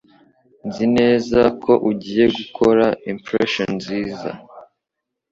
Nzi neza ko ugiye gukora impression nziza.